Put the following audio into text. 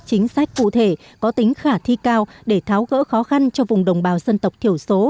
chính sách cụ thể có tính khả thi cao để tháo gỡ khó khăn cho vùng đồng bào dân tộc thiểu số